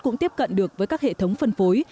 cũng tiếp cận được với các hệ thống phân phối